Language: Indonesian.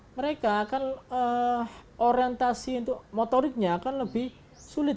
mereka kan orientasi untuk motoriknya akan lebih sulit